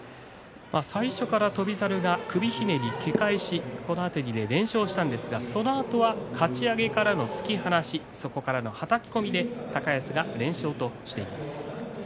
最初から翔猿が首ひねりけ返しで連勝したんですがそのあとはかち上げからの突き放し、そこからのはたき込みで高安が全勝としています。